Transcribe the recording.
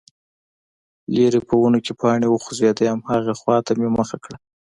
ليرې په ونو کې پاڼې وخوځېدې، هماغې خواته مې مخه کړه،